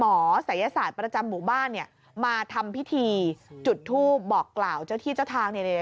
ศัยศาสตร์ประจำหมู่บ้านมาทำพิธีจุดทูปบอกกล่าวเจ้าที่เจ้าทาง